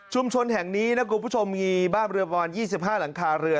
ชุมชนแห่งนี้นักกลุ่มผู้ชมมีบ้านประมาณ๒๕หลังคาเรือ